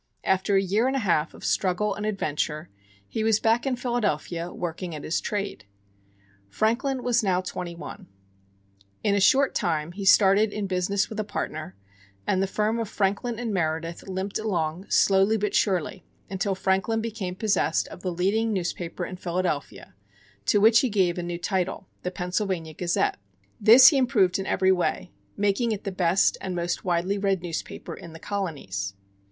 After a year and a half of struggle and adventure, he was back in Philadelphia working at his trade. Franklin was now twenty one. In a short time he started in business with a partner, and the firm of Franklin & Meredith limped along slowly but surely until Franklin became possessed of the leading newspaper in Philadelphia, to which he gave a new title, the Pennsylvania Gazette. This he improved in every way, making it the best and most widely read newspaper in the Colonies.